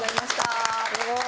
すごーい。